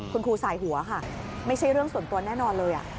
คุณครูสายหัวค่ะไม่ใช่เรื่องส่วนตัวแน่นอนเลย